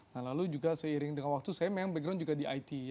nah lalu juga seiring dengan waktu saya memang background juga di it ya